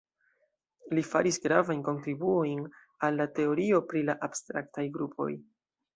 Li faris gravajn kontribuojn al la teorio pri la abstraktaj grupoj.